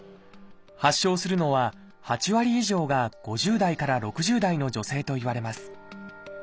発症するのは８割以上が５０代から６０代の女性といわれます。